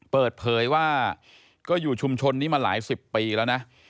เปิดเผยว่าก็อยู่ชุมชนนี้มาหลายสิบปีแล้วนะ